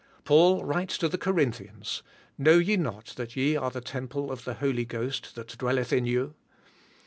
Paul writes to the Corinthians, "Know ye not that ye are the temple of the Holy Ghost that dwelleth in you."